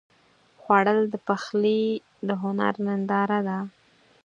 خوړل د پخلي د هنر ننداره ده